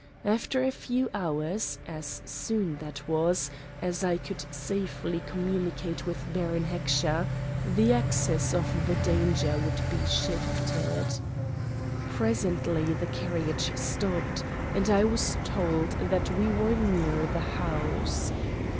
After a few hours, as soon, that was, as I could safely communicate with Baron Heckscher, the axis of the danger would be shifted. Presently the carriage stopped, and I was told that we were near the house.